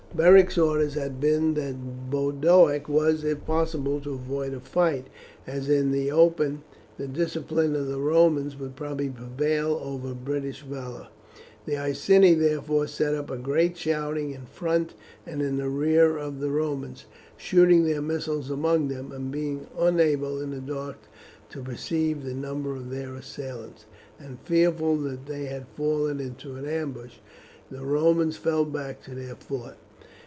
Beric's orders had been that Boduoc was if possible to avoid a fight, as in the open the discipline of the Romans would probably prevail over British valour. The Iceni, therefore, set up a great shouting in front and in the rear of the Romans, shooting their missiles among them, and being unable in the dark to perceive the number of their assailants, and fearful that they had fallen into an ambush, the Romans fell back to their fort.